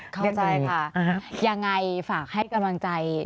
เข้าใจค่ะยังไงฝากให้กำลังใจ